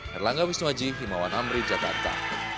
herlangga wisnuaji himawan amri jakarta